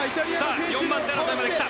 ４番手争いまで来た。